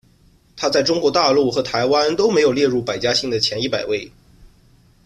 它在中国大陆和台湾都没有列入百家姓前一百位。